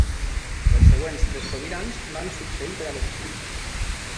Els següents tres sobirans van succeir per adopció.